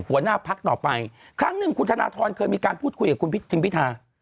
หัวหน้าพักต่อไปครั้งหนึ่งคุณธนทรเคยมีการพูดคุยกับคุณทิมพิธา